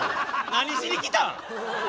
何しに来たん？